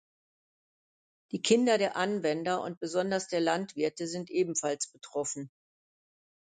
Die Kinder der Anwender und besonders der Landwirte sind ebenfalls betroffen.